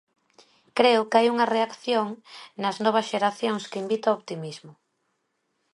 Creo que hai unha reacción nas novas xeracións que invita ao optimismo.